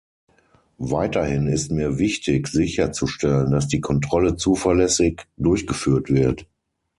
Weiterhin ist mir wichtig sicherzustellen, dass die Kontrolle zuverlässig durchgeführt wird.